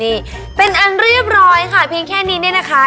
นี่เป็นอันเรียบร้อยค่ะเพียงแค่นี้เนี่ยนะคะ